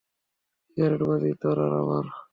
Cigarette বাজি, তোর আর আমার।